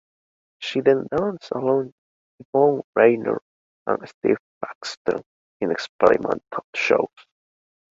She then dances along Yvonne Rainer and Steve Paxton, in experimental shows.